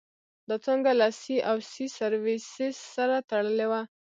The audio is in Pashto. دا څانګه له سي او سي سرویسس سره تړلې وه.